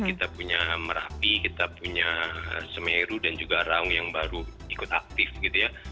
kita punya merapi kita punya semeru dan juga raung yang baru ikut aktif gitu ya